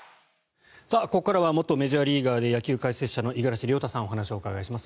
ここからは元メジャーリーガーで野球解説者の五十嵐亮太さんにお話をお伺いします。